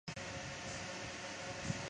该党的总部位于芝加哥。